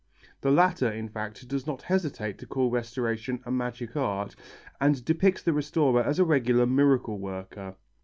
The latter, in fact, does not hesitate to call restoration a magic art and depicts the restorer as a regular miracle worker.